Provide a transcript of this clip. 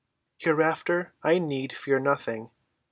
"Hereafter I need fear nothing.